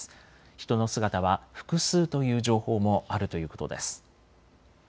人の姿は複数という情報もあるということです。